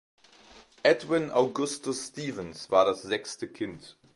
Edwin Augustus Stevens war das sechste Kind.